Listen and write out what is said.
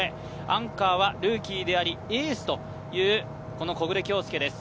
アンカーはルーキーであり、エースという木榑杏祐です。